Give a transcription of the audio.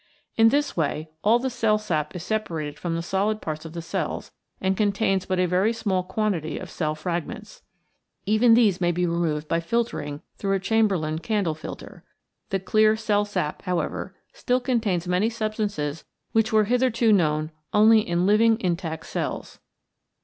In this way all the cell sap is separated from the solid parts of the cells, and contains but a very small quantity of cell frag ments. Even these may be removed by filtering through a Chamberland candle filter. The clear cell sap, however, still contains many substances which were hitherto known only in living intact 66 REACTIONS IN LIVING MATTER cells.